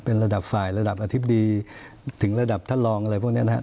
เป็นระดับฝ่ายระดับอธิบดีถึงระดับท่านรองอะไรพวกนี้นะครับ